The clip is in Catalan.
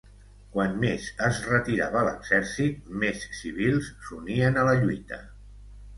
Quant més es retirava l'exèrcit, més civils s'unien a la lluita.